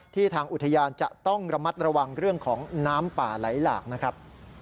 ทางอุทยานจะต้องระมัดระวังเรื่องของน้ำป่าไหลหลากนะครับ